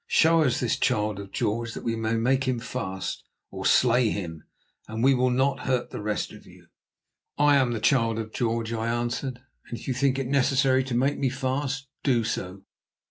Show us this child of George that we may make him fast, or slay him, and we will not hurt the rest of you." "I am the child of George," I answered, "and if you think it necessary to make me fast, do so."